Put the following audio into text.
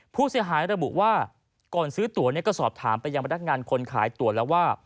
ผู้เสียหายระบุว่าก่อนซื้อตัวก็สอบถามไปยังพนักงานคนขายตัวแล้วว่า